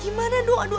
gimana dong aduh